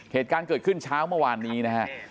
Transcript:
เหตุการณ์เกิดขึ้นเช้าเมื่อวานนี้นะฮะ